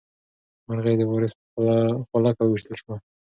مرغۍ د وارث په غولکه وویشتل شوه.